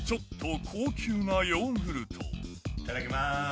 いただきます。